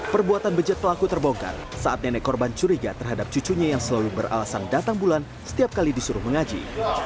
perbuatan bejat pelaku terbongkar saat nenek korban curiga terhadap cucunya yang selalu beralasan datang bulan setiap kali disuruh mengaji